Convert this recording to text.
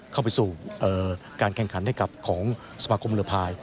เข้าไปสู่การแข่งขันให้กับของสมาคมเรือพาย